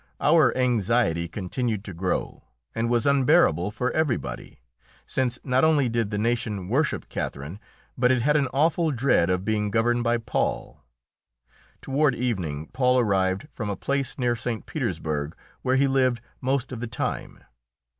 Our anxiety continued to grow, and was unbearable for everybody, since not only did the nation worship Catherine, but it had an awful dread of being governed by Paul. Toward evening Paul arrived from a place near St. Petersburg, where he lived most of the time.